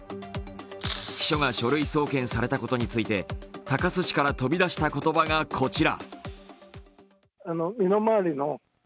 秘書が書類送検されたことについて高須氏から飛び出した言葉がこちら。